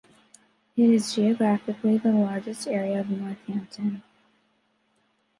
It is geographically the largest area of Northampton.